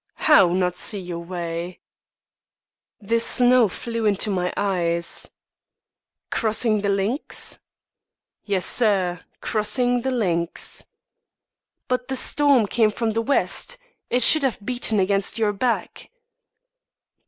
"How, not see your way?" "The snow flew into my eyes." "Crossing the links?" "Yes, sir, crossing the links." "But the storm came from the west. It should have beaten against your back."